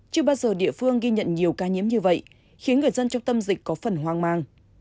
chưa bao giờ địa phương ghi nhận nhiều ca nhiễm như vậy khiến người dân trong tâm dịch có phần hoang mang